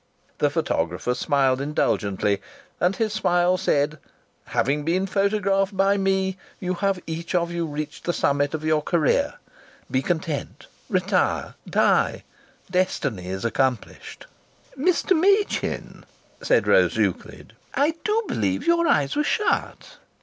The photographer smiled indulgently, and his smile said: "Having been photographed by me, you have each of you reached the summit of your career. Be content. Retire! Die! Destiny is accomplished." "Mr. Machin," said Rose Euclid, "I do believe your eyes were shut!"